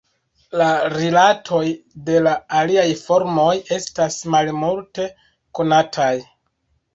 La rilatoj de la aliaj formoj estas malmulte konataj.